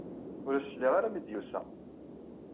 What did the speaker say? Ur as-sliɣ ara mi d-yusa.